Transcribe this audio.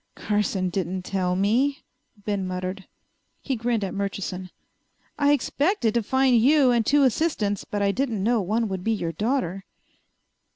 "Carson didn't tell me," Ben muttered. He grinned at Murchison. "I expected to find you and two assistants, but I didn't know one would be your daughter."